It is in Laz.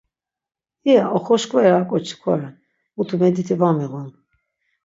İya oxoşkveri ar k̆oçi koren, mutu mediti var miğun.